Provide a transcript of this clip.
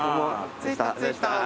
着いた着いた。